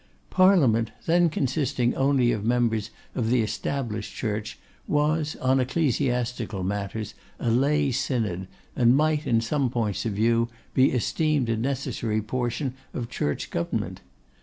Parliament, then consisting only of members of the Established Church, was, on ecclesiastical matters, a lay synod, and might, in some points of view, be esteemed a necessary portion of Church government.